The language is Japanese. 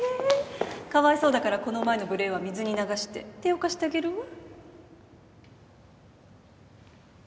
かわいそうだからこの前の無礼は水に流して手を貸してあげるわ。